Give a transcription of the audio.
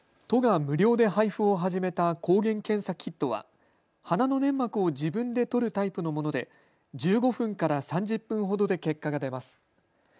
都が無料で配布を始めた抗原検査キットは鼻の粘膜を自分でとるタイプのもので１５分から３０分ほどで結果が出ます。